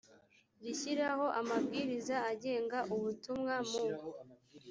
rishyiraho amabwiriza agenga ubutumwa mu